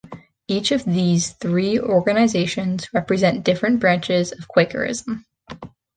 Each of these three organizations represent different branches within Quakerism.